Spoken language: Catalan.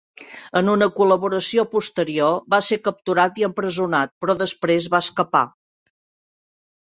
En una col·laboració posterior, va ser capturat i empresonat, però després va escapar.